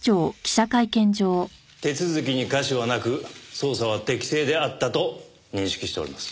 手続きに瑕疵はなく捜査は適正であったと認識しております。